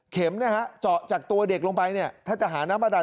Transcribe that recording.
เข็มเจาะจากตัวเด็กลงไปถ้าจะหาน้ำประดาษ